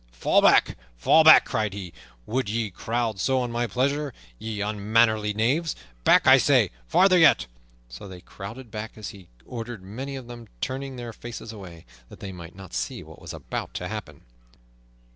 "Fall back! fall back!" cried he. "Would ye crowd so on my pleasure, ye unmannerly knaves? Back, I say! Farther yet!" So they crowded back, as he ordered, many of them turning their faces away, that they might not see what was about to happen.